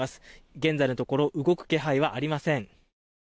現在のところ動く気配はありません。